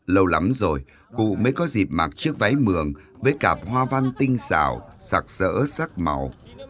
lâu lắm rồi cụ mới có dịp mặc chiếc váy mường với cặp hoa văn tinh xảo sạc sỡ sắc màu